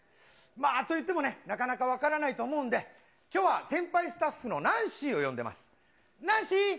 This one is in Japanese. といってもね、なかなか分からないと思うんで、きょうは先輩スタッフのナンシーを呼んでます。